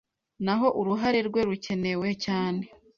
Naho uruhare rwe rukenewe cyane,